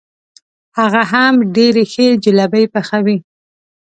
هغه هم ډېرې ښې جلبۍ پخوي.